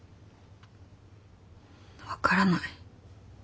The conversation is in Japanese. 分からない。